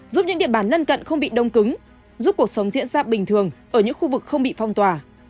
giúp những địa bàn lân cận không bị đông cứng giúp cuộc sống diễn ra bình thường ở những khu vực không bị phong tỏa